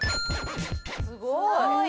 すごい。